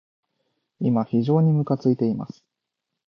今、非常にむかついています。